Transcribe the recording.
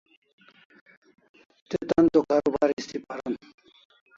Te tan to karubar histi paron